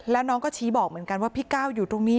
แล้วน้องก็ชี้บอกเหมือนกันว่าพี่ก้าวอยู่ตรงนี้